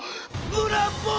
ブラボー！